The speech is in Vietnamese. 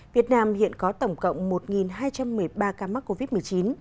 việt nam hiện có tổng cộng một hai trăm một mươi ba ca mắc covid một mươi chín